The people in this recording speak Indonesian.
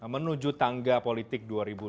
menuju tangga politik dua ribu dua puluh